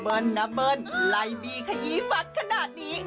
เบอร์นนะเบอร์นไล่บีขยีฝัดขนาดนี้